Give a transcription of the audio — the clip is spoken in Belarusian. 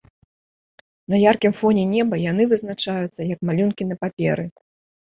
На яркім фоне неба яны вызначаюцца, як малюнкі на паперы.